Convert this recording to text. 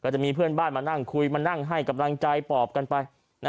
จะมีเพื่อนบ้านมานั่งคุยมานั่งให้กำลังใจปอบกันไป